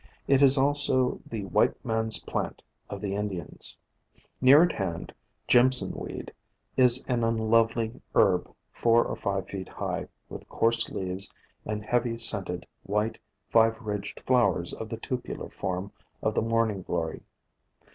It is also the "White Man's Plant" of the Indians. Near at hand Jimson Weed is an unlovely herb four or five feet high, with coarse leaves and heavy scented white, five ridged flowers of the tubular form of the Morning Glory.